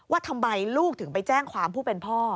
ว่าทำไมลูกถึงไปแจ้งความผู้เป็นพ่อ